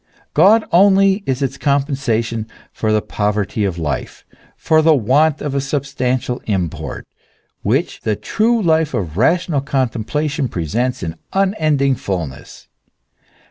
God only is its compensation for the poverty of life, for the want of a substantial import, which the true life of rational contemplation presents in unending fulness.